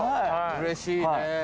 うれしいねー。